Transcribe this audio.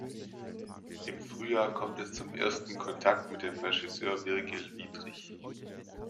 Im Frühjahr kommt es zum ersten Kontakt mit dem Regisseur Virgil Widrich.